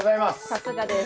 さすがです。